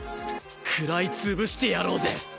喰らい潰してやろうぜ！